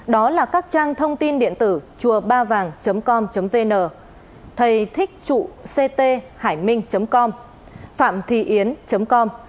đó là các trang thông tin điện tử chùabavang com vn thầythíchchụcthảiminh com phạmthiến com